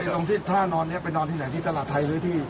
ตรงที่ท่านอนนี้ไปนอนที่ไหนที่ตลาดไทยหรือที่